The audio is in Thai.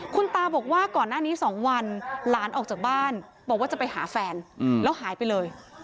คุณตาบอกว่าก่อนหน้านี้๒วันหลานออกจากบ้านบอกว่าจะไปหาแฟนแล้วหายไปเลย